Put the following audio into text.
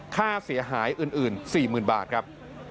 ค่าเสียหายอื่น๔๐๐๐บาทครับ